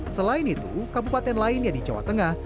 selain itu kabupaten lainnya di jawa tengah